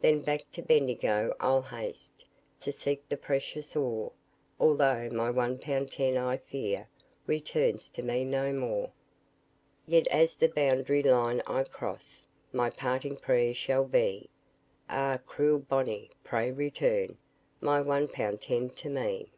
Then back to Bendigo I'll haste, To seek the precious ore; Although my one pound ten I fear Returns to me no more. Yet as the boundary line I cross, My parting prayer shall be Ah! cruel Bonney! pray return My one pound ten to me!